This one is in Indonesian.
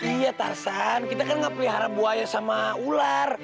iya tarzan kita kan gak pelihara buaya sama ular